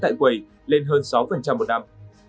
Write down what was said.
tại quầy lên hơn sáu một năm